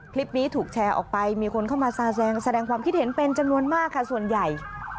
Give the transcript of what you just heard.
คลิปนี้ถูกแชร์ออกไปมีคนเข้ามาแสดงความคิดเห็นเป็นจำนวนมากค่ะส่วนใหญ่